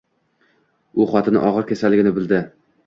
U xotini ogʻir kasalligini bildi.